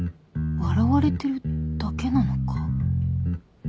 笑われてるだけなのか？